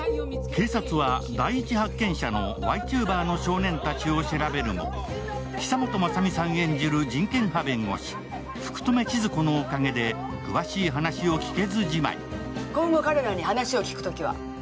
警察は、第一発見者のワイチューバーの少年たちを調べるも、久本雅美さん演じる人権派弁護士、福留のおかげで詳しい話を聞けずじまいに。